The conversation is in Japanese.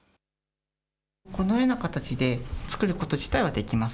このような形で作ること自体はできます。